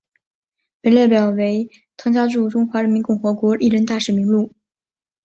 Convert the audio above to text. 本列表为汤加驻中华人民共和国历任大使名录。